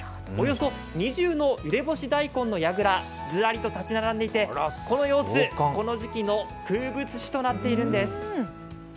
およそ２０のゆで干し大根のやぐらがずらっと立ち並んでいて、この様子、この時期の風物詩となっ呈すんです。